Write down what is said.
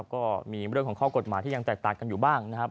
ก็มีเรื่องของข้อกฎหมายที่ยังแตกต่างกันอยู่บ้างนะครับ